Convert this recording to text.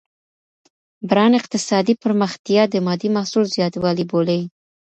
بران اقتصادي پرمختیا د مادي محصول زیاتوالی بولي.